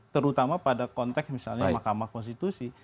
terutama pada konteks misalnya mahkamah konstitusi